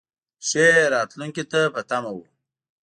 ښې راتلونکې ته په تمه و.